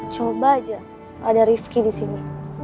coba aja ada rifki disini